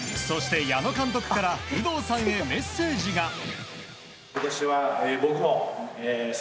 そして矢野監督から有働さんへメッセージが。